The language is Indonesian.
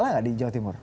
kalah nggak di jawa timur